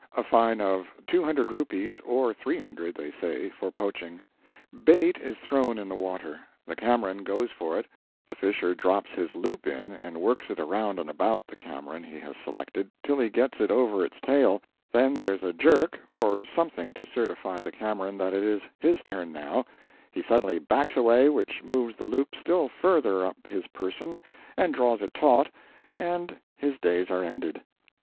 A fine of Rs.200 or 300 (they say) for poaching. Bait is thrown in the water; the camaron goes for it; the fisher drops his loop in and works it around and about the camaron he has selected, till he gets it over its tail; then there's a jerk or something to certify the camaron that it is his turn now; he suddenly backs away, which moves the loop still further up his person and draws it taut, and his days are ended.